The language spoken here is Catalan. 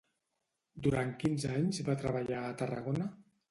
Durant quins anys va treballar a Tarragona?